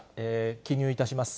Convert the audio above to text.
記入いたします。